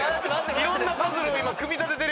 いろんなパズルを組み立ててる。